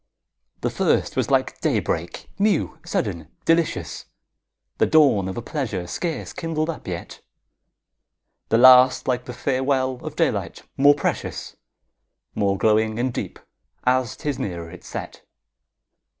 The first was like day break, new, sudden, delicious, The dawn of a pleasure scarce kindled up yet; The last like the farewell of daylight, more precious, More glowing and deep, as 'tis nearer its set.